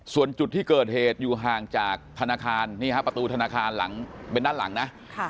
ส่วนจุดที่เกิดเหตุอยู่ห่างจากธนาคารนี่ฮะประตูธนาคารหลังเป็นด้านหลังนะ